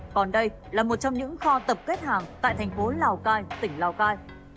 còn đây là một trong những kho tập kết hàng tại thành phố lào cai tỉnh lào cai